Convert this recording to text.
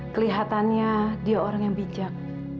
kelihatannya dia orang yang bijak